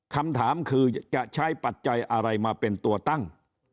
คำถามคือจะใช้ปัจจัยอะไรมาเป็นตัวตั้ง